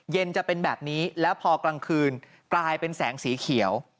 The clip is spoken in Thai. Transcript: เย็นจะเป็นแบบนี้แล้วพอกลางคืนกลายเป็นแสงสีเขียว